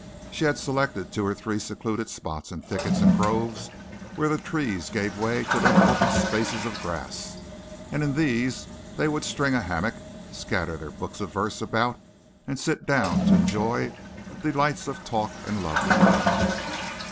She had selected two or three secluded spots in thickets and groves where the trees gave way to little open spaces of grass, and in these they would string a hammock, scatter their books of verse about and sit down to enjoy the delights of talk and love making.